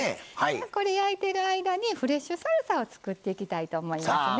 これ焼いてる間にフレッシュサルサを作っていきたいと思いますね。